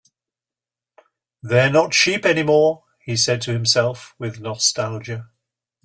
"They're not my sheep anymore," he said to himself, without nostalgia.